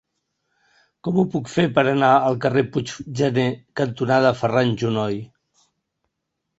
Com ho puc fer per anar al carrer Puiggener cantonada Ferran Junoy?